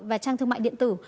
và trang thương mại điện tử